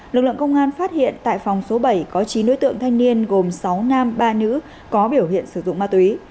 lực lượng công an phát hiện tại phòng số bảy có chín đối tượng thanh niên gồm sáu nam ba nữ có biểu hiện sử dụng ma túy